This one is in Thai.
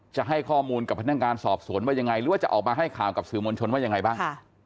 จะให้ข้อมูลกับพนักงานสอบสวนว่ายังไงหรือว่าจะออกมาให้ข่าวกับสื่อมวลชนว่ายังไงบ้าง